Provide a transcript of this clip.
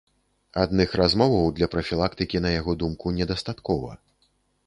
Адных размоваў для прафілактыкі, на яго думку, недастаткова.